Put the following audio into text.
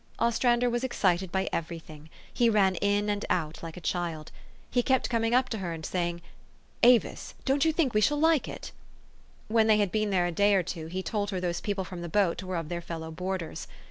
Ostrander was ex cited by every thing : he ran in and out like a child. He kept coming up to her, and saying, " Ayis, don't you think we shall like it? " When they had been there a day or two, he told her those people from the boat were of their fellow boarders.